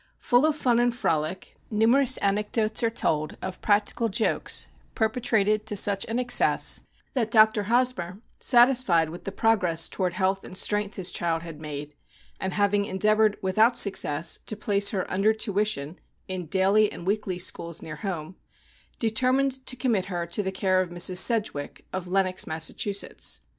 Full of fun and frolic, numerous anec dotes are told of practical jokes perpetrat ed to such an excess, that Dr. Hosmer, sat isfied with the progress toward health and strength his child had made, and having endeavored, without success, to place her under tuition in daily and weekly schools near home, determined to commit her to the care of Mrs. Sedgwick, of Lenox, Mas sachusetts.